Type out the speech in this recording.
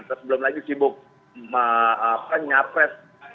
sebelum lagi sibuk nyapres